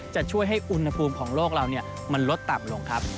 จะช่วยให้อุณหภูมิของโลกเรามันลดต่ำลงครับ